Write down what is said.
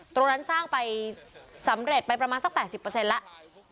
ตรงนั้นสร้างไปสำเร็จไปประมาณสักแปดสิบเปอร์เซ็นต์แล้ว